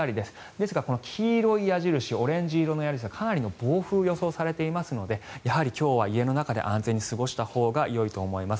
ですが、黄色い矢印オレンジ色の矢印かなりの暴風が予想されていますのでやはり今日は家の中で安全に過ごしたほうがよいと思います。